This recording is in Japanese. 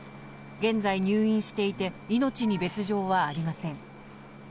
現在、入院していて、命に別状はありません。